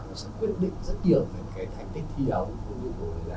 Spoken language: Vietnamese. nó sẽ quyết định rất nhiều về cái thành tích thi đấu của người vui là